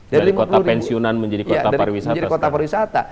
dari kota pensiunan menjadi kota pariwisata